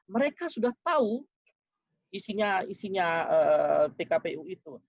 mereka sudah tahu isinya pkpu itu